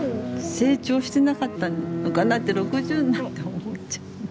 成長してなかったのかなって６０になって思っちゃう。